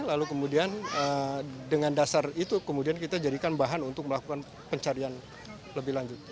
lalu kemudian dengan dasar itu kemudian kita jadikan bahan untuk melakukan pencarian lebih lanjut